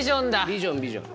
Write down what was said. ビジョンビジョン。